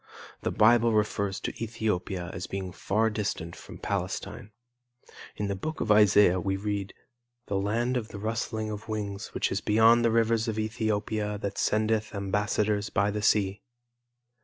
The Bible refers to Ethiopia as being far distant from Palestine. In the book of Isaiah we read "the land of the rustling of wings which is beyond the rivers of Ethiopia that sendeth ambassadors by the sea."